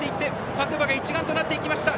各馬が一丸となっていきました。